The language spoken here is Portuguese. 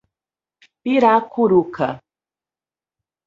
Piracuruca